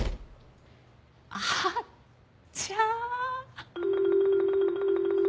あっちゃ。